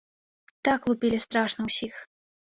Так лупілі страшна ўсіх!